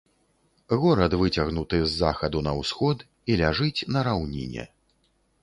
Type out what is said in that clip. Горад выцягнуты з захаду на ўсход і ляжыць на раўніне.